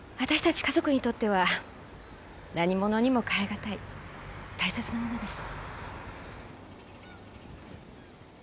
家族にとっては何物にも替え難い大切なものです。